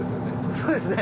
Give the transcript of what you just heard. そうですね。